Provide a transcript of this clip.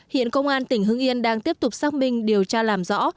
hiện công an tỉnh hưng yên đang tiếp tục xác minh điều tra làm rõ